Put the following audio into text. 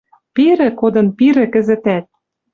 Пирӹ кодын пирӹ кӹзӹтӓт.